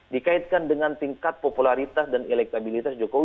dikaitkan dengan tingkat popularitas dan elektabilitas jokowi